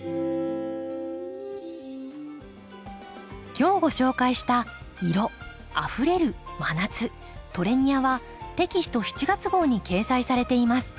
今日ご紹介した「色・あふれる・真夏トレニア」はテキスト７月号に掲載されています。